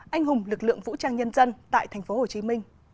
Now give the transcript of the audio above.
anh hùng lực lượng vũ trang nhân dân tại tp hcm